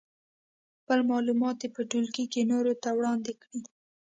خپل معلومات دې په ټولګي کې نورو ته وړاندې کړي.